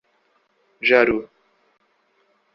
Jaru